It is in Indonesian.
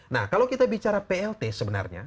nah kalau kita bicara plt sebenarnya